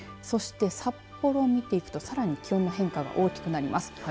そして札幌見ていくとさらに気温の変化が大きくなります。